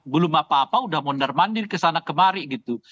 belum apa apa udah mondar mandir kesana kemari gitu